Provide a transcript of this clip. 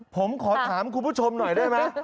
ผมขอถามคุณผู้ชมหน่อยได้ไหม